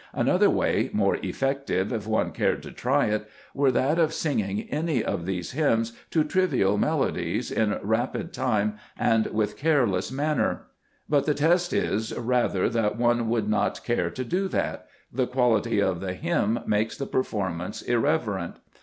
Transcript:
Another way, more effective, if one cared to try it, were that of singing any of these hymns to trivial melo dies, in rapid time and with careless manner. But the test is rather that one would not care to do that. The quality of the hymn makes the performance irreverent.